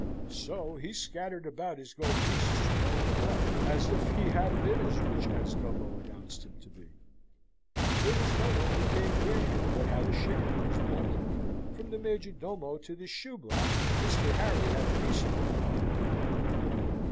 So he scattered about his gold pieces to right and left, and as if he had been as rich as Gumbo announced him to be. There was no one who came near him but had a share in his bounty. From the major domo to the shoeblack, Mr. Harry had a peace offering for them all.